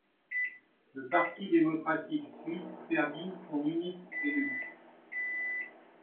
Le Parti démocratique suisse perdit son unique élu.